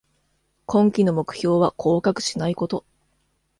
今季の目標は降格しないこと